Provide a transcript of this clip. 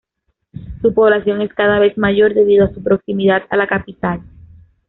Su población es cada vez mayor debido a su proximidad a la capital.